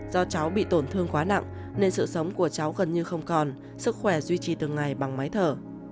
do cháu bị tổn thương quá nặng nên sự sống của cháu gần như không còn sức khỏe duy trì từng ngày bằng máy thở